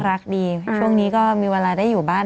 รักดีช่วงนี้ก็มีเวลาได้อยู่บ้าน